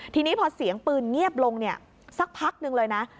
ทีนี้พอเสียงปืนเงียบลงเนี่ยสักพักหนึ่งเลยนะ